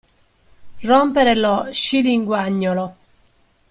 Rompere lo scilinguagnolo.